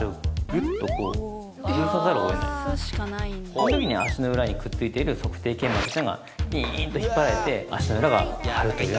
この時に足の裏にくっついている足底腱膜というのがビーンと引っ張られて足の裏が張るというのが。